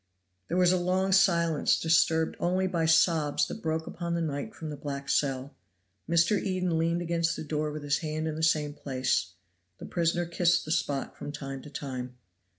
There was a long silence, disturbed only by sobs that broke upon the night from the black cell. Mr. Eden leaned against the door with his hand in the same place; the prisoner kissed the spot from time to time.